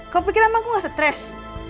kau pikir emang aku gak stress